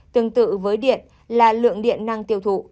tương tự với điện là lượng điện năng tiêu thụ